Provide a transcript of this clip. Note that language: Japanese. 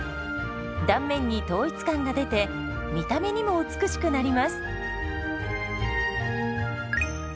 断面に統一感が出て見た目にも美しくなります。